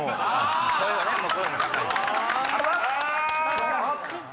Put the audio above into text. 声がね声が高い。